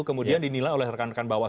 kemudian dinilai oleh rekan rekan bawaslu